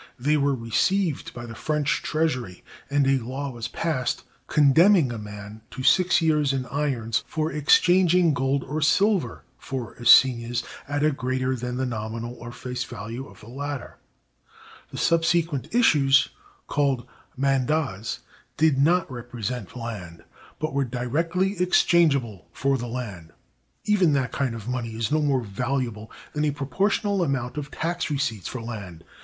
They were received by the French treasury, and a law was passed condemning a man to six years in irons for exchanging gold or silver for assignats at a greater than the nominal or face value of the latter. The subsequent issues, called mandats, did not represent land, but were directly exchangeable for the land. Even that kind of money is no more valuable than a proportional amount of tax receipts for land.